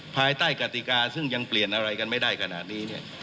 ภายใต้กติกาซึ่งยังเปลี่ยนอะไรกันไม่ได้ขนาดนี้เนี่ย